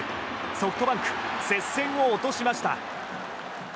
ソフトバンク接戦を落としました。